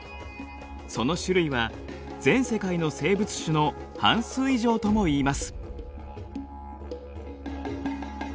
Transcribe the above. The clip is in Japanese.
その種類は全世界の生物種の半数以上ともいいます。